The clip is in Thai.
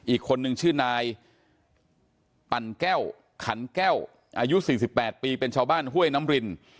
อีกคนนึงชื่อนายปั่นแก้วขันแก้วอายุ๔๘ปีเป็นชาวบ้านห้วยน้ำริน